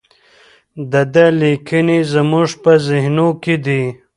د ده لیکنې زموږ په ذهنونو کې دي.